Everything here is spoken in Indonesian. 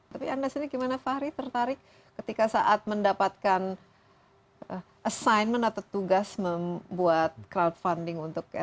tapi anda sendiri gimana fahri tertarik ketika saat mendapatkan assignment atau tugas membuat crowdfunding untuk r delapan puluh ini